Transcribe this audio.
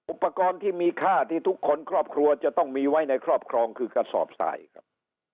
อุปกรณ์ที่มีค่าที่ทุกคนครอบครัวจะต้องมีไว้ในครอบครองคือกระสอบทรายครับ